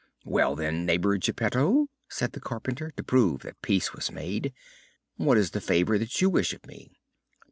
"Well, then, neighbor Geppetto," said the carpenter, to prove that peace was made, "what is the favor that you wish of me?"